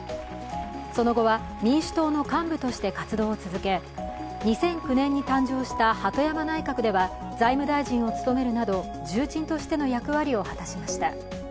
その後は民主党の幹部として活動を続け、２００９年に誕生した鳩山内閣では財務大臣を務めるなど、重鎮としての役割を果たしました。